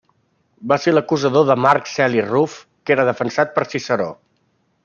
Va ser l'acusador de Marc Celi Ruf, que era defensat per Ciceró.